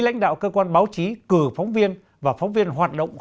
lãnh đạo cơ quan báo chí cử phóng viên và phóng viên hoạt động